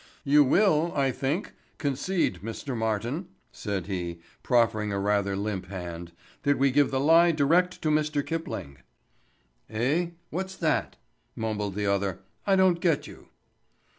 "You will, I think, concede, Mr. Martin," said he, proffering a rather limp hand, "that we give the lie direct to Mr. Kipling." "Eh? What's that?" mumbled the other. "I don't get you."